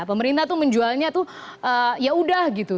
pemerintah tuh menjualnya tuh yaudah gitu